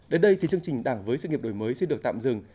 đến đây thì chương trình đảng với sự nghiệp đổi mới xin được tạm dừng